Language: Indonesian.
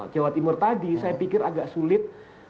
jawa timur tadi saya pikir agak sulit